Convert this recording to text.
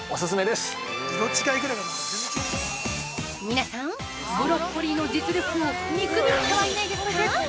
◆皆さん、ブロッコリーの実力を見くびってはいないですか？